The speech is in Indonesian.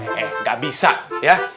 eh enggak bisa ya